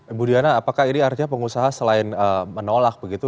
ibu diana apakah ini artinya pengusaha selain menolak begitu